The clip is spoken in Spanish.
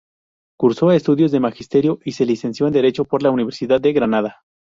Cursó estudios de magisterio y se licenció en Derecho por la Universidad de Granada.